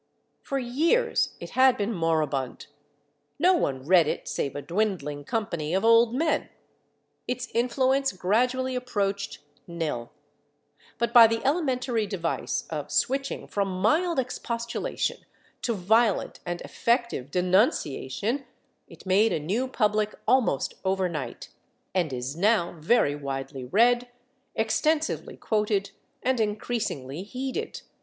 For years it had been moribund; no one read it save a dwindling company of old men; its influence gradually approached nil. But by the elementary device of switching from mild expostulation to violent and effective denunciation it made a new public almost overnight, and is now very widely read, extensively quoted and increasingly heeded....